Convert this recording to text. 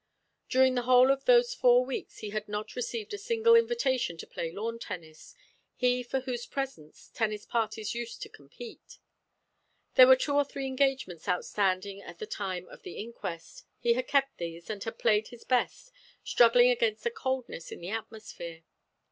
During the whole of those four weeks he had not received a single invitation to play lawn tennis, he for whose presence tennis parties used to compete. There were two or three engagements outstanding at the time of the inquest. He had kept these, and had played his best, struggling against a coldness in the atmosphere.